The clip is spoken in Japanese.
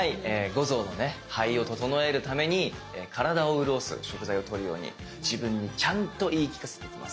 五臓の肺をととのえるために体をうるおす食材をとるように自分にちゃんと言い聞かせていきます。